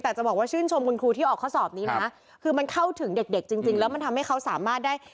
แต่จะบอกว่าชื่นชมคุณครูที่ออกข้อสอบนี้นะคือมันเข้าถึงเด็กเด็กจริงแล้วมันทำให้เขาสามารถได้